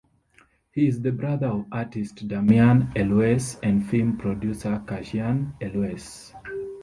He is the brother of artist Damian Elwes and film producer Cassian Elwes.